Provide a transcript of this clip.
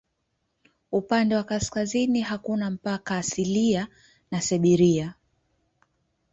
Upande wa kaskazini hakuna mpaka asilia na Siberia.